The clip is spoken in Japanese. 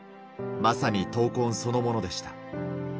まさに闘魂そのものでした。